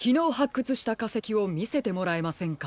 くつしたかせきをみせてもらえませんか？